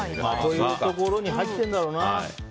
こういうところに入っているんだろうな。